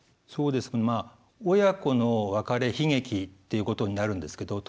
そうですけどまあ親子の別れ悲劇ということになるんですけど。